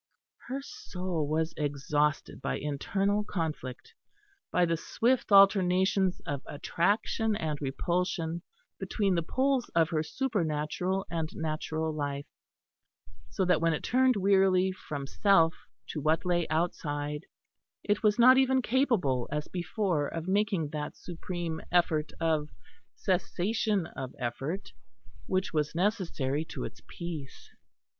Her soul was exhausted by internal conflict, by the swift alternations of attraction and repulsion between the poles of her supernatural and natural life; so that when it turned wearily from self to what lay outside, it was not even capable, as before, of making that supreme effort of cessation of effort which was necessary to its peace.